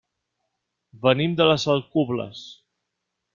Venim de les Alcubles.